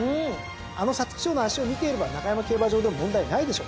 あの皐月賞の走りを見ていれば中山競馬場でも問題ないでしょう。